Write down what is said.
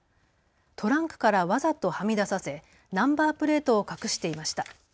トランクからわざとはみ出させナンバープレートを隠していました。